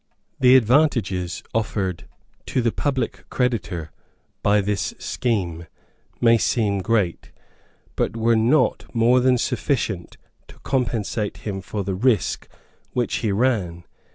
The advantages offered to the public creditor by this scheme may seem great, but were not more than sufficient to compensate him for the risk which he ran.